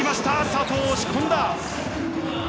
佐藤を押し込んだ。